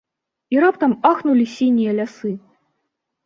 І раптам ахнулі сінія лясы!